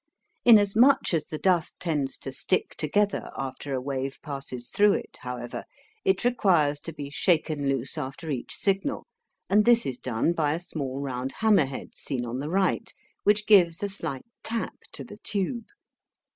Inasmuch as the dust tends to stick together after a wave passes through it, however, it requires to be shaken loose after each signal, and this is done by a small round hammer head seen on the right, which gives a slight tap to the tube.